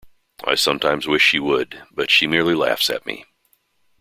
I sometimes wish she would; but she merely laughs at me.